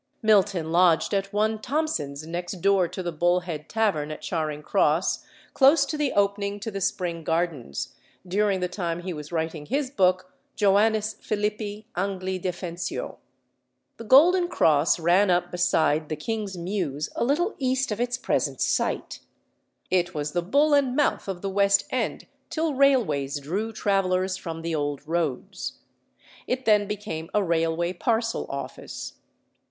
Milton lodged at one Thomson's, next door to the Bull head Tavern at Charing Cross, close to the opening to the Spring Gardens, during the time he was writing his book Joannis Philippi Angli Defensio. The Golden Cross ran up beside the King's Mews a little east of its present site; it was the "Bull and Mouth" of the West End till railways drew travellers from the old roads; it then became a railway parcel office.